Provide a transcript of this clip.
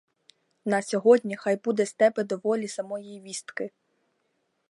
На сьогодні хай буде з тебе доволі самої вістки.